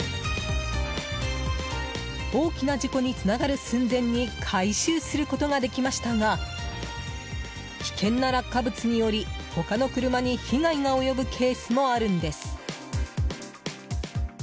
大きな事故につながる寸前に回収することができましたが危険な落下物により、他の車に被害が及ぶケースもあるんです。